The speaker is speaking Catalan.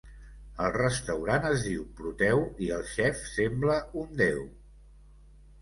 El restaurant es diu Proteu i el xef sembla un déu.